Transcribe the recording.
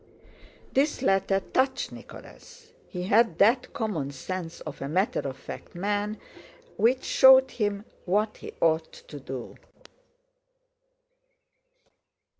This letter touched Nicholas. He had that common sense of a matter of fact man which showed him what he ought to do.